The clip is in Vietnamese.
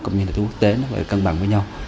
cũng như là thu quốc tế nó phải cân bằng với nhau